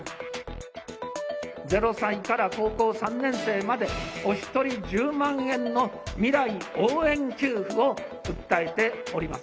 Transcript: ０歳から高校３年生まで、お１人１０万円の未来応援給付を訴えております。